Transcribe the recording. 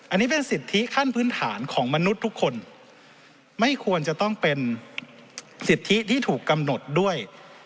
อันนี้เป็นสิทธิขั้นพื้นฐานของมนุษย์ทุกคนไม่ควรจะต้องเป็นสิทธิที่ถูกกำหนดด้วย